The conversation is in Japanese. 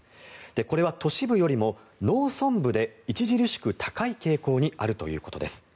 これは都市部よりも農村部で著しく高い傾向にあるということです。